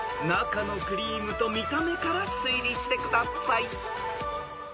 ［中のクリームと見た目から推理してください］